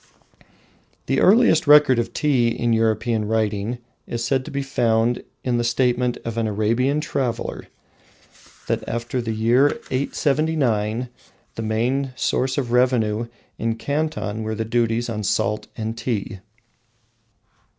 The earliest record of tea in European writing is said to be found in the statement of an Arabian traveller, that after the year 879 the main sources of revenue in Canton were the duties on salt and tea.